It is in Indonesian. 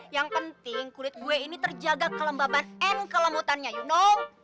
yang penting kulit gue ini terjaga kelembaban and kelemutannya you know